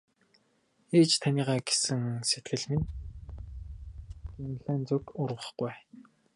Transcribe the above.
Ээж таныгаа гэсэн сэтгэл минь эрдэнэ амласан ч Гималайн зүг урвахгүй ээ.